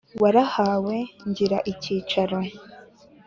warahawe ngira icyicaro.